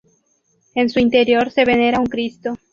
En su interior se venera un Cristo.